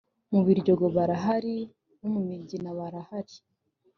mu Biryogo barahari no mu Migina barahari